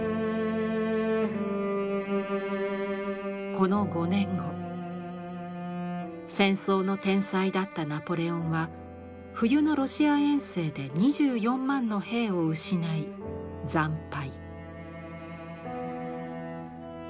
この５年後戦争の天才だったナポレオンは冬のロシア遠征で２４万の兵を失い惨敗。